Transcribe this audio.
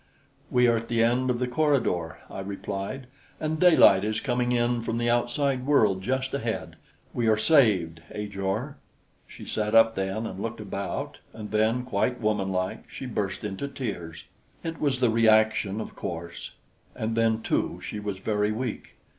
"We are at the end of the corridor," I replied, "and daylight is coming in from the outside world just ahead. We are saved, Ajor!" She sat up then and looked about, and then, quite womanlike, she burst into tears. It was the reaction, of course; and then too, she was very weak.